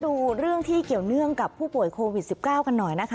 ดูเรื่องที่เกี่ยวเนื่องกับผู้ป่วยโควิด๑๙กันหน่อยนะคะ